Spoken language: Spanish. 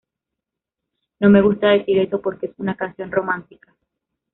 No me gusta decir eso, porque es una canción romántica.